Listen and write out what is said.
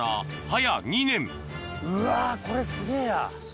うわこれすげぇや。